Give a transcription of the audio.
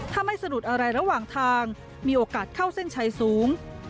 ถ้าไม่สะดุดอะไรระหว่างทางมีโอกาสเข้าเส้นชัยสูง